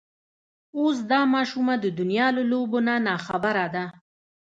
اوس دا ماشومه د دنيا له لوبو نه ناخبره ده.